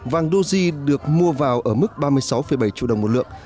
vàng doji được mua vào ở mức ba mươi sáu bảy triệu đồng một lượng